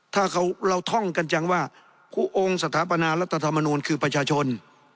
ถ้าเราท่องกันจังว่าองค์สถาปนารัฐธรรมนูลคือประชาชน